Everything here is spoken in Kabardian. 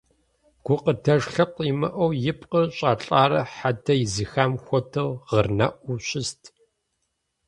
Гукъыдэж лъэпкъ имыӀэу, и пкъыр щӀэлӀарэ хьэдэ изыхам хуэдэу гъырнэӀуу щыст.